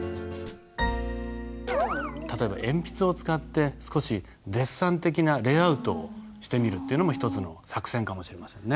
例えば鉛筆を使って少しデッサン的なレイアウトをしてみるっていうのも一つの作戦かもしれませんね。